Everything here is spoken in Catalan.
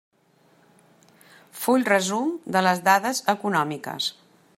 Full resum de les dades econòmiques.